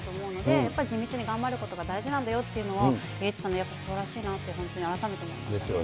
やっぱり地道に頑張ることが大事なんだよっていうのを言ってたのは、やっぱりすばらしいなと、本当に改めて思いました。